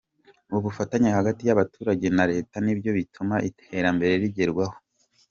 Ubufatanye hagati y’abaturage na Leta nibyo bituma iterambere rigerwaho.